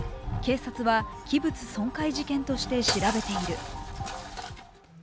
警察は器物損壊事件として調べている。